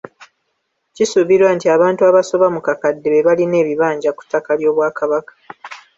Kisuubirwa nti abantu abasoba mu kakadde be balina ebibanja ku ttaka ly'Obwakabaka.